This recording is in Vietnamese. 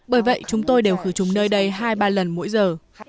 bởi vậy chúng tôi đều khử trùng nơi đây hai ba lần mỗi giờ